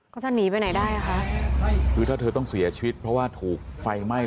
เขาจะหนีไปไหนได้อ่ะคะคือถ้าเธอต้องเสียชีวิตเพราะว่าถูกไฟไหม้